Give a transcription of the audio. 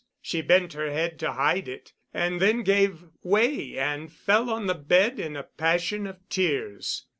She bent her head to hide it—and then gave way and fell on the bed in a passion of tears.